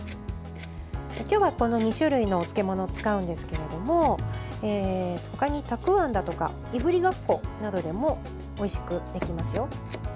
今日は、この２種類のお漬物を使うんですけれどもほかに、たくあんだとかいぶりがっこなどでもおいしくできますよ。